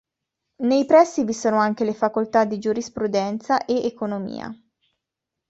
Nei pressi vi sono anche le facoltà di Giurisprudenza e Economia.